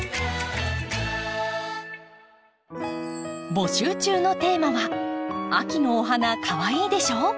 募集中のテーマは「秋のお花かわいいでしょ？」。